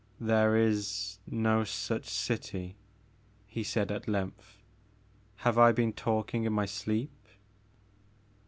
"There is no such city," he said at length, " have I been talking in my sleep